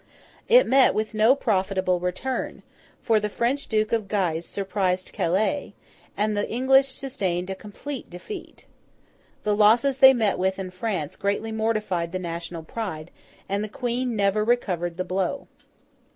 It met with no profitable return, for the French Duke of Guise surprised Calais, and the English sustained a complete defeat. The losses they met with in France greatly mortified the national pride, and the Queen never recovered the blow.